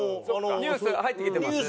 ニュースとか入ってきてます？